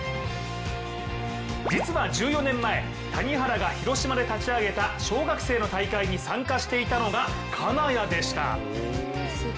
実は１４年前、谷原が広島で立ち上げた小学生の大会に参加していたのが金谷でした。